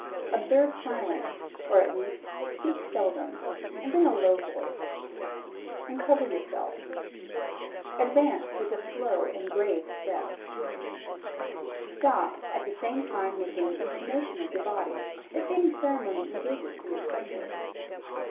Observe silence, or at least speak seldom, and in a low voice; uncover yourself; advance with a slow and grave step; stop, at the same time making an inclination of your body, if any ceremony engages the assembly.